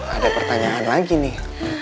ada pertanyaan lagi nih